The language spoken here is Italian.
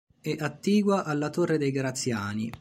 È attigua alla Torre dei Graziani.